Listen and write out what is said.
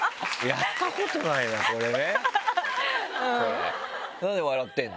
やったことないなこれね。